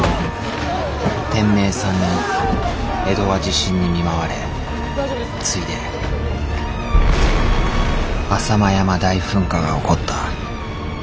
天明三年江戸は地震に見舞われついで浅間山大噴火が起こった。